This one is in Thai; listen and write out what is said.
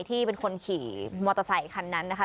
ที่เป็นคนขี่มอเตอร์ไซคันนั้นนะคะ